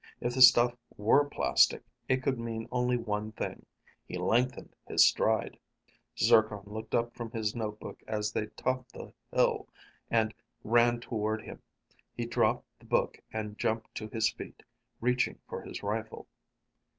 If the stuff were plastic, it could mean only one thing. He lengthened his stride. Zircon looked up from his notebook as they topped the hill and ran toward him. He dropped the book and jumped to his feet, reaching for his rifle.